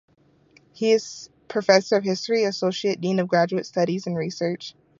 He is professor of history and Associate Dean of Graduate Studies and Research.